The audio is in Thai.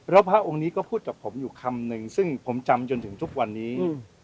แล้วพระองค์นี้ก็พูดกับผมอยู่คำนึงซึ่งผมจำจนถึงทุกวันนี้